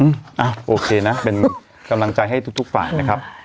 โอเคนะเป็นกำลังใจให้ทุกฝ่ายนะครับ